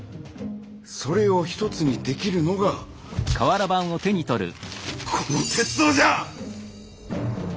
それを一つにできるのがこの鉄道じゃ！